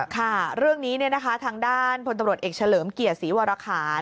ค่ะเรื่องนี้นะคะทางด้านพลตำรวจเอ็กชะเหลิมเกลี่ยศรีวราคา